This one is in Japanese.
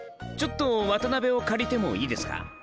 ちょっと渡辺を借りてもいいですか？